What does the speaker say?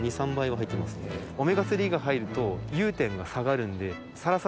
オメガ３が入ると融点が下がるんで。